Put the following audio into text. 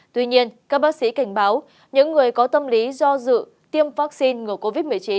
tuy nhiên các bác sĩ cảnh báo những người có tâm lý do dự tiêm vaccine ngừa covid một mươi chín